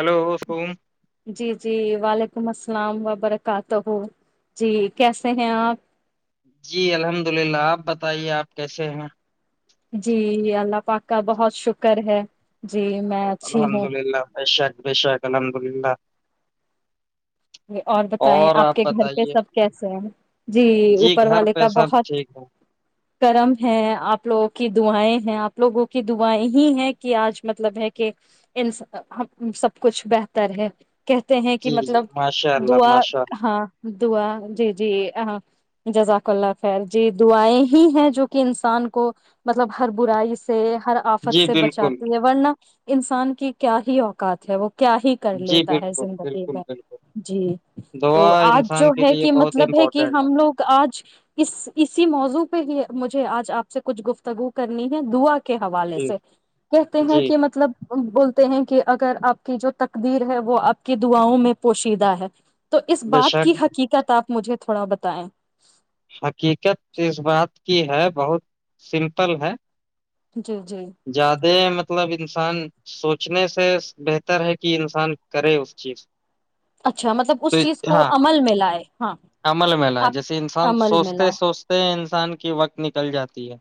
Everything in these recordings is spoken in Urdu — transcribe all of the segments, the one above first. ہلو سوم جی جی وعلیکم السلام اللام وبرکاتہ جی کیسے ہیں آپ جی الحمد للہ آپ بتائیے آپ کیسے ہیں جی اللہ پاکہ بہت شکر ہے جی میں اچھی الحمد ہوں للہ ب شاک ب شک الحمد للہ اور بتائیں آپ کے گھر پہ سب کیسے ہیں جی اوپر گھر والے پہ کا سب بہت ٹھیک ہے کرم ہے آپ لوگوں کی دعائیں ہیں آپ لوگوں کی دعائیں ہی ہیں کہ آج مطلب ہے کہ ان سب کچھ بہتر ہے کہتے ہیں کہ جی جی مطلب ماشاء اللہ دا ماشاء ہاں دوا جی جی جزاک اللہ خل جی دعائیں ہی ہیں جو کہ انسان کو مطلب ہر برائی سے ہر اللہ آفت جی سے بالکل بچاتی ہے ورنہ انسان کی کیا ہی اوقات ہے وہ کیا ہی کر جی لیتا ہے بالکل زندگی بالکل میں بالکل جی تو دعا آج جو انسان کے ہے لیے کہ بہت مطلب ہے کہ امپورٹینٹ ہم لوگ آج اس اسی موضوع ہی مجھے آج آپ سے کچھ گفتگو کرنی ہے دعا کی کے حوالے جی سے کہتے ہیں جی کہ مطلب بولتے ہیں کہ اگر آپ کی جو تقدیر ہے وہ آپ کی داؤں میں پوشیدا ہے تو اس بے بات کی شک حقیقت آپ مجھے تھوڑا بتائیں حقیقت اس بات کی ہے بہت سمپل ہے جی جی دے مطلب انسان سوچنے سے بہتر ہے کہ انسان کرے اس چیز اچھا مطلب اس تو چیز کو ہاں عمل میں لائے ہاں عمل میں ل آپ جیسے انسان عمل میں سوچتے لائے سوچتے انسان کی وقت نکل جاتی ہے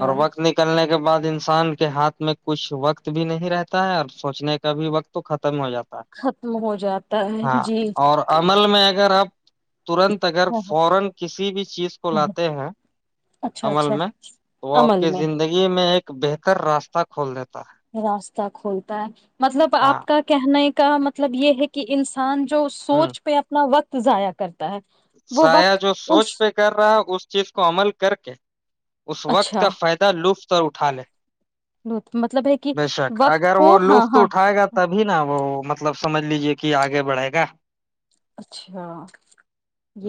اور وقت نکلنے کا کے بعد انسان کے ہاتھ میں کچھ وقت بھی نہیں رہتا ہے اور سوچنے کا بھی وقت تو ختم ختم ہو جاتا ہے ختم ہو جاتا ہے ہاں جی اور عمل میں اگر آپ ترنت اگر ہاں فورا کسی بھی چیز کو ہاں ہاں لاتے ہو اچھا عمل اچھا میں تو اپ عمل کی میں زندگی ایک بہتر راستہ کھول دیتا ہے راستہ کھولتا ہے مطلب ہاں آپ کا کہنا ایک کا مطلب یہ ہے کہ انسان اس ہ سوچ پہ اپنا وقت تو جضایا کر ضائع جو سوچ پہ کر رہا اس چیز کو عمل کر کے اس وقت اچھا کا فائدہ لطف تور اٹاال مطلب ہے کہ بے شک وقت اگر کو وہ ہاں لطف ہاں اٹھائے گا تبھی نا وہ مطلب سمجھ لیجے کہ آگے بڑھے گا اچھا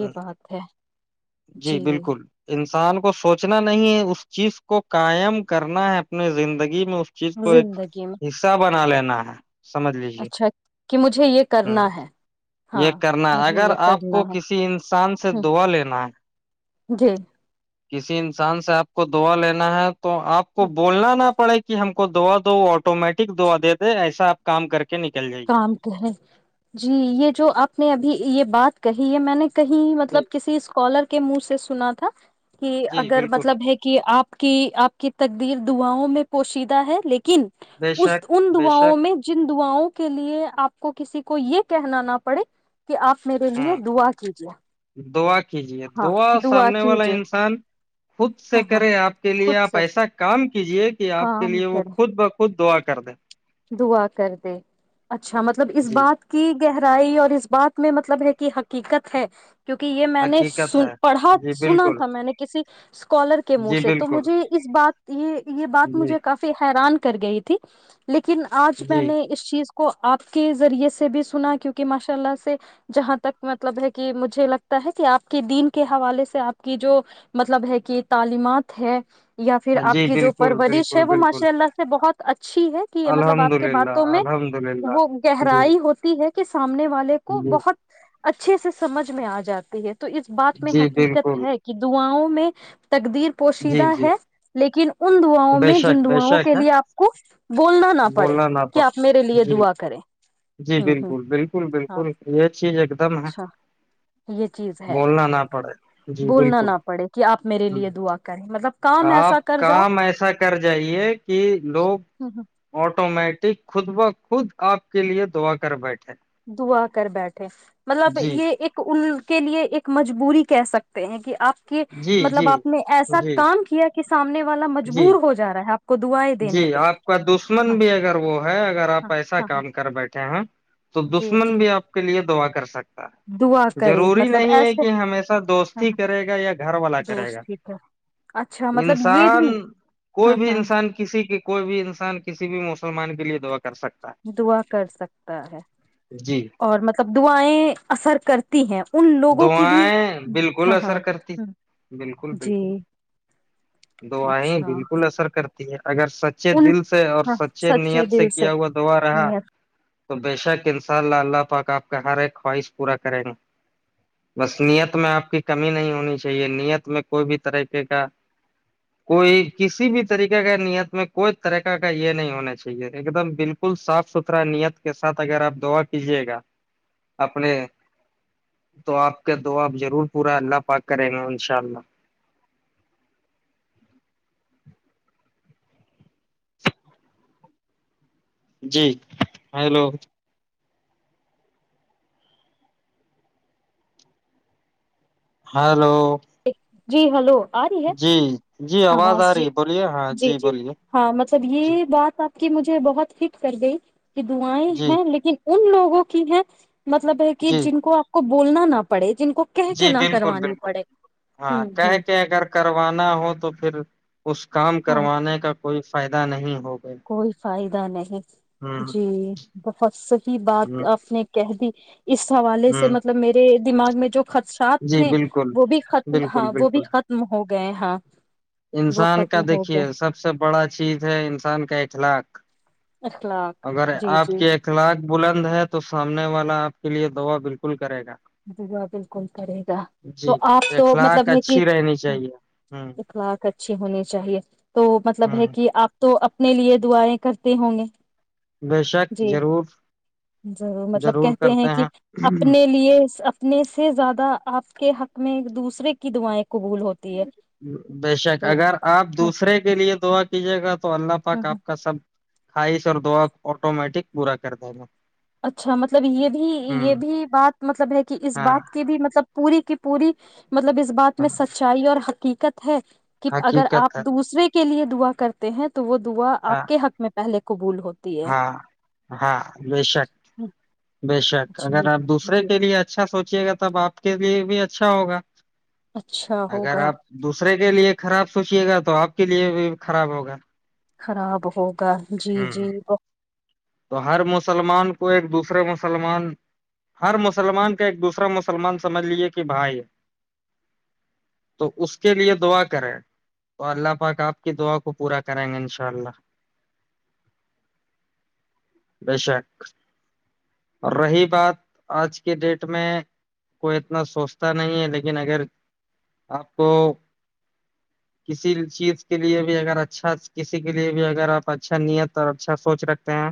ہ بات ہے جی بالکل ان انسان کو سوچنا نہیں ہے اس چیز کو قائم کرنا ہے اپنے زندگی میں اس چیز کو ایک زندگی میں حصہ بنا لینا [inaudible] لیجیے اچھا کہ مجھے یہ ہ کرنا ہے یہ ہاں کرنا ہے۔ مجھے اگر یہ آپ کرنا کو ہے کسی انسان سے ہ دعا لینا ہے جی کسی انسان سے آپ کو دعا لینا ہے تو آپ کو بولنا نا پڑے کہ ہم کو دعا دو آٹومیٹک دعا دے دے ایسا آپ کام کر کے نکل جائیے کام کہیں جی یہ جو آپ نے ابھی یہ بات کہی ہے میں نے کہیں جی مطلب کسی اسکالر کے منہ سے سنا تھا کہ جی اگر بالکل مطلب ہے کہ آپ کہ آپ کی تقدیر دعاؤں میں پوشیدہ ہے لیکن کن بے اس شک ان بے دعاؤوں شک میں جن دعاؤوں کو لیے آپ کو کسی کو یہ کہنا نہ پڑے کہ آپ میرے لیے ہاں دعا کیجے دعا کیجیے دعا سامنے والا انسان خود سے ہاں ہاں کریں آپ کے لیے خود آپ سے ایسا کام کیجیے کہ آپ کے کام لیے وہ کریں خود بخود دعا [unintelligible] دعا کر دے اچھا مطلب اس جی بات کی گہرائی اور اس بات میں مطلب ہے کہ حقیقت ہے کیوںکہ یہ میں حقیقت نےن ہے پڑھا جی سنا بالکل تھا میں نے کسی اسکالر کے جی منہ سے تو بالکل مجھے اس بات یہ یہ بات جی مجھے کافی حیران کر گئی تھی لیکن آج میں جی نے اس چیز کو آپ کے ذریعے سے بھی سنا کیوںکہ ماشاء اللہ سے جہاں تک مطلب ہے کہ مجھے لگتا ہے کہ آپ کے دین کے حوالے سے آپ کی جو مطلب ہے کہ تعلیمات ہے یا پھر ہاں آپ جی کی جو بالکل پرورش ہے بالکل وہ بالکل ماشاء اللہ سے بہت اچھی ہے مطلب الحمد آپ کے للہ باتوں میں الحمد للہ وہ جی گہرائی ہوتی ہے کہ سامنے والے کو جی بہت اچھے سے سمجھ میں آ جاتی ہے تو اس بات میں جی حقیقت بالکل ہے کہ دعاؤں [unintelligible] تقدیر جی پوشیدہ جی ہے لیکن ان دعاؤوں بے میں شک جن بے دعاؤں شک کے ہے لیے آپ کو بولنا نہ پڑے بولنا نہ کہ پڑ آپ میرے لیے جی دعا کریں جی ہوں ہوں بالکل بالکل ہاں بالکل یہ چیز ایک دم ہے اچھا یہ چیز ہے بولنا نہ پڑے جی بولنا نہ بالکل پڑے کہ آپ میرے ہ لیے دعا کریں مطلب کام ایسا آپ کر جاؤ کام ایسا کر جائیے کہ لوگ ہوں ہوں آٹو مٹ [unintelligible] خود با خود آپ کے لیے دعا کر بیٹھے دعا کر بیٹھے مطلب جی یہ ایک ان کے لیئے ایک مجبوری کہہ سکتے ہیں کہ آپ کہ جی مطلب جی آپ نے ایسا جی کام کیا کہ سامنے والا جی مجبور ہو جا رہا ہے آپ کو دعائیں جی دینے پہ آپ کا دشمن ہاں بھی اگر وہ ہے اگر ہاں آپ ایسا ہاں ہاں کام کر بیٹھے ہیں تو جی دشمن جی بھی آپ کے لیے دعا کر سک دعا کرے ضروری مطلب نہیں ہے ایسے کہ ہمیشہ ہاں دوستی ہاں کرے گا یا گھر والا کرے گا دوست ٹھیک ہے اچھا مطلب یہ انسان بھی ہاں کوئی بھی ہاں انسان کوئی بھی انسان کسی بھی مسلمان کے لیے دعا کر سکتا دعا کر سکتا ہے ہے جی اور مطلب دعاائیں اثر کرتی ہیں ان لوگوں کی بھی دعائیں بالکل ہاں اثر ہاں کرتی ہے بالکل جی بالکل دعیں اچھا بالکل اثر کرتی ہے اگر سچے ان دل سے اور سچے نیت سے کیا ہوا دعا رہا تو بے شک ان شاء اللہ اللہ پاک آپ کا ہر ایک خواہش پورا کریں گے بس نییت میں آپ کی کمی نہیں ہونی چاہیے نیت میں کوئی بھی طریقے کا کوئی کسی بھی طریقے کا نیت میں کوئی طریقہ کا یہ نہیں ہونا چاہیے ایک دم بالکل صاف ستھرا نیت کے ساتھ اگر آپ دعا کیجیے گا اپنے تو آپ کا دعا ضرور پورا اللہ پاک کریں گا انشاء اللہ جی ہیلو ہیلو [inaudible] جی ہلو آ رہی ہے جی جی آواز آ رہی بولیے ہاں جی بولیے جی کہ مجھے بہت ہٹ کر گئی کہ دعیں جی ہیں لیکن ان لوگوں کی ہے مطلب ہے کہ جی جن کو کو بولنا نہ پڑے جن کو کہہ جی کے نہ بالکل بالکل کروانی پڑے بالکل ہاں ہوں کہہ ہوں کے اگر کروانا ہو تو پھر اس کام ہاں کروانے کا کوئی فائدہ نہیں ہوگا کوئی فائدہ نہیں ہوں جی بفصی بات ہ آپ نے کہہ دی ج اس حوالے سے ہ مطلب میرے دماغ میں جو خدشات جی تھے بالکل وہ بھی ختم بالکل ہاں وہ بالکل بھی ختم ہو گئے ہاں وہ انسان کا ختم ہو دیکھیے گیا سب سے بڑا چیز ہے انسان کا ایک پانچ لاکھ اخلاق اگر جی آپ جی کے اخلاق بلند ہے تو سامنے والا آپ کے لیے دوا بالکل کرے گا [unintelligible] کرے گا تو جی آپ تو اخلاق مطلب ہے کہ اچھی رہنی چاہیے ہوں اخلا اچھی ہونی چاہیے تو مطلب ہے ہوں کہ آپ تو اپنے لیے دعائیں کرتے ہوں گے بے شک جی ضرور ضرور مطلب کہتے ہیں کہ اپنے لیے اتنے سے زیادہ آپ کے حق میں ایک دوسرے کی دعائیں قبول ہوتی ہے بے شک تو اگر آپ ہوں دوسرے کے لیے دعا کیجے گا تو اللہ ہوں پاک آپ کا سب خواہش اور دعا آٹومیٹک بورا کرتا گا اچھا مطلب یہ بھی ہوں یہ بھی بات مطلب ہے کہ اس ہاں بات کی بھی مطلب پوری پوری مطلب اس بات ہاں میں سچائی اور دقت ہے کہ اگر آپ حقیقت ہے دوسرے کے کے لیے دعا کرتے ہیں تو وہ دعا آپ ہاں کے حق میں پہلے قبول ہو ہاں ہاں بے شک ہوں، بے شک اگر جی آپ دوسرے جی کے لیے اچھا سوچیے گا تب آپ کے لیے بھی اچھا ہوگا اچھا اگر ہوگا آپ دوسرے کے لیے خراب سوچیے گا تو آپ کے لیے بھی خراب ہوگا خراب ہو گ جی جی ہوں ب تو ہر مسلمان کو ایک دوسرا مسلمان ہر مسلمان کا ایک دوسرا مسلمان سمجھ لیے کہ بھائی تو اس کے لیے دعا کرے تو اللہ پاکا آپ کی دعا کو پورا کریں گے ان شاء اللہ بے شک اور رہی بات آج کے ڈیٹ میں کوئی اتنا سوچتا نہیں ہے لیکن اگر آپ کو کسی چیز کے لیے بھی اگر اچھا کسی کے لیے بھی اگر آپ اچھا نیت اور اچھا سوچ رکھتے ہیں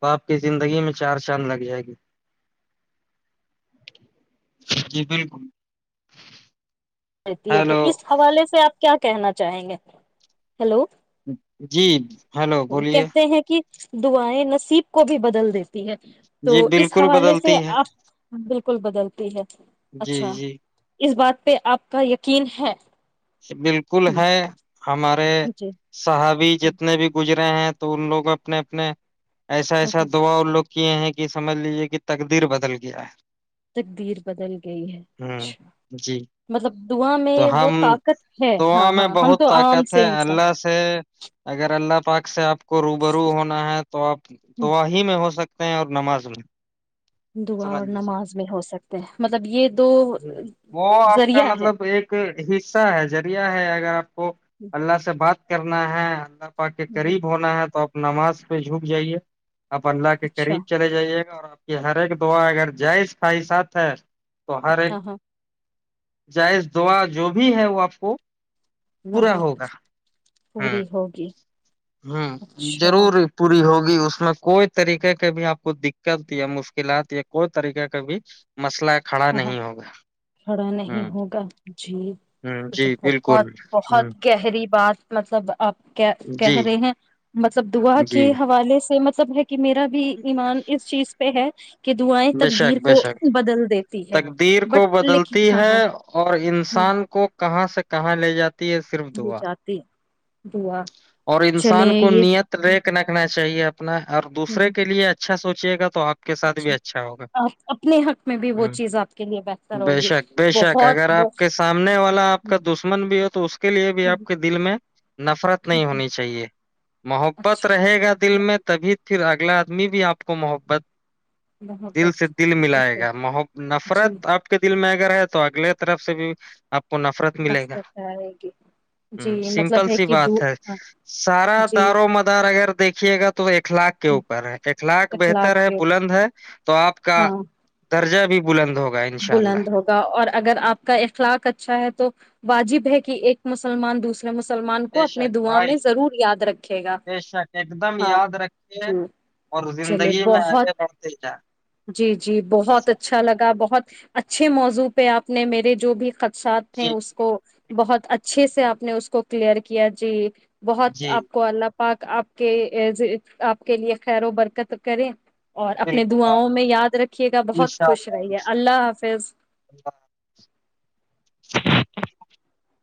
تو آپ کی زندگی میں چار چاند لگ جائے گی جی بالکل رہتی ہے تو ہیلو اس حوالے سے آپ کیا کہنا چاہیں گے ہیلو جی ہیلو بولیے کہتے ہیں کہ دعائیں نصیب کو بھی بدل دیتی ہے تو جی اس بالکل حوالے سے بدلتی ہے آپ بالکل بدلتی ہے جی اچھا جی اس بات پ آپ کا یقین ہے بالکل ہ ہے ہمارے جی صحابی ہ جتنے بھی گجر رہے ہیں تو ان لوگ اپنے اپنے ایسا ہ ایسا ہ دعاؤ لوگ کیے ہیں کہ سمجھ لیجیے کہ تقدیر بدل گیا ہے تقدیر بدل گئی ہے ہ اچھا جی مطلب دعا میں تو وہ ہم طاقت ہے دعا ہاں میں ہاں ہم بہت تو عام طاقت ہے سے انسان اللہ سے اگر اللہ پاک سے آپ کو روبرو ہونا ہے تو آپ دعا ہی میں ہو سکتے ہیں اور نماز ہو جائے دعا اور نماز میں ہو سکتے ہیں مطلب یہ دو ہوں، ذریعہ ہے سا ذریعہ ہے اگر آپ کو اللہ سے بات کرنا ہے اندر اوپر کے قریب ہونا ہے تو نماز پہ جھک جائیے آپ اللہ کے اچھا قریب چلے جائیے گا اور کہ ہر ایک دعا اگر جائش خھائی ساتھ ہے سہارے ہاں ہاں جائز دعا جو بھی بھی ہے وہ آپ کو ہاں پورا ہاں ہوگا ہ پوری ہوگی ہ اچھا ضرور ہاں پوری ہوگی اس میں کوئی طریقے کا بھی آپ کو دقت یا مشکلات یا کوئی طریقے کا بھی مسئلہ کھڑا ہاں نہیں ہوگا کھڑا ہ نہیں ہوگا ہ تو جی بہت بالکل ہ بہت گہری بات مطلب آپ کیا کہہ جی رہے ہیں مطلب دعا جی کے حوالے سے مب سب کہ میرا بھی ایمان اس چیز پہ ہے کہ دعیں بے تقدیر شک بے کو شک بدل دے تقدیر کو بدلتی ہے اور ہ انسان کو کہاں سے کہاں لے جاتے ہے صرف یہ دعا چاہتی ہے دعا اور چلیں انسان کو یہ نییت ریککھ رکھنا چاہیے اپ اپنا اور ہ دوسرے کے لیے اچ اچھا سوچے گا تو آ کے سھ بھی اچھا اچھا ہوگا آپ اپنے حق میں بھی وہ ہ چیز آپ کے لیے بہتر بے ہوگی شک بے شک بہت اگر آپ کے بت سامنے والا آپ کا دشمن بھی ہو تو اس کے لیے بھی آپ کے دل میں نفرت نہیں ہونی چاہیے محبت اچھا رہے گا دل میں محبت تبھی پھر اگلا آدمی بھی آپ کو محبت دل سے محبت دل سے ملائے پہ گا مح جی نفرت آپ کے دل میں آئے گا ہے تو اگلے طرف سے بھی کو نفرت ملے گا نفرت آئے گی ہ جی مطلب سمپل ہے سی کہ دو بات ہے ہاں سارا جی دار و مدار اگر دیکھیے گا تو اخلاق کے ہاں اوپر ہے اخلاق بہتر ہے بلند ہے آپ کا ہاں رجہ بھی بلند ہو بلند ہوگا اور اگر آپ کا اخلاق اچھا ہے تو واجب ہے کہ ایک مسلمان دوسرے مسلمان کو بے اپنے شک دواں بھائی میں ضرور یاد رکھے گا بے شک ایک دم ہاں یاد رکھیے جی اور چلے زندگی میں بہت آگے بڑھتے جائیں جی جی بہت ایسا اچھا لگا بہت اچھے موضوع پہ آپ نے میرے جو بھی ساتھ تھے جی اس کو بہت اچھے سے آپ نے اس کو کلیئر کیا جی بہت جی آپ کو اللہ پاک آپ کے آپ کے لیے خیر و برکت کرے اور اپنے بالکل داؤں میں یاد رکھیے گا بہت انشاء خوش اللہ رہیے انشاء اللہ حافظ اللہ [unintelligible]